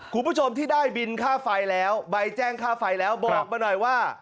คุณผู้ชมที่ได้บินค่าไฟแล้วใบแจ้งค่าไฟแล้วบอกมาหน่อยว่า